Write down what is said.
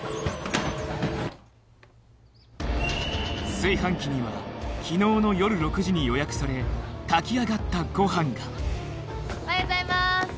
炊飯器には昨日の夜６時に予約され炊き上がったご飯がおはようございます！